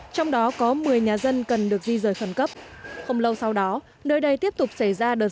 trong đó có một mươi nhà dân cần được di rời khẩn cấp không lâu sau đó nơi đây tiếp tục xảy ra đợt